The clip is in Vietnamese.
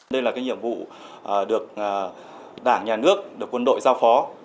đây là cái nhiệm vụ được đảng nhà nước được quân đội giao phó